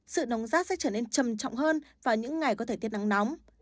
sự nóng rát sẽ trở nên trầm trọng hơn vào những ngày có thể tiết nắng nóng